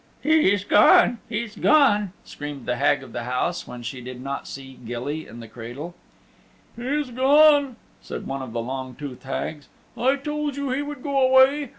"He's gone, he's gone, he's gone!" screamed the Hag of the House, when she did not see Gilly in the cradle. "He's gone," said one of the long toothed Hags. "I told you he would go away.